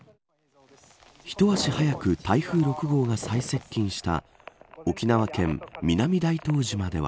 ひと足早く台風６号が最接近した沖縄県南大東島では。